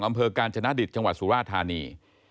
อำเภอกาญจนดิตจังหวัดสุราธานี